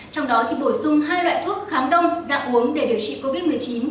trong đó bổ sung hai loại thuốc kháng đông dạng uống để điều trị covid một mươi chín